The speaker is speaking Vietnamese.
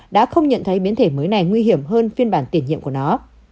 đã không nhận thấy biến thể mới này nguy hiểm hơn phiên bản tiền nhiệm của nó